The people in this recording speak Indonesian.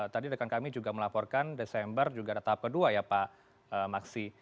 tadi rekan kami juga melaporkan desember juga ada tahap kedua ya pak maksi